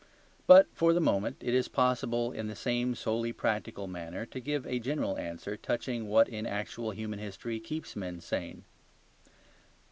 But for the moment it is possible in the same solely practical manner to give a general answer touching what in actual human history keeps men sane.